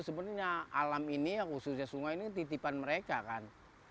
sebenarnya alam ini yang khususnya sungai ini titipan mereka kan